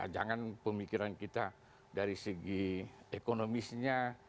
jangan pemikiran kita dari segi ekonomisnya